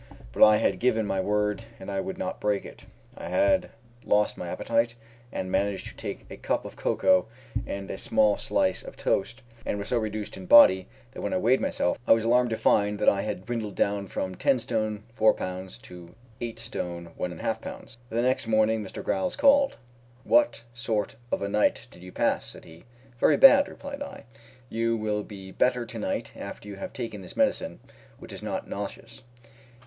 But I had given my word, and I would not break it. I had lost my appetite, but managed to take a cup of cocoa and a small slice of toast, and was so reduced in body that when I weighed myself I was alarmed to find that I had dwindled down from 10st. 4lb. to 8st. 1 1/2lb. The next morning Mr Giles called. "What sort of a night did you pass?" said he. "Very bad," replied I. "You will be better tonight, after you have taken this medicine, which is not nauseous.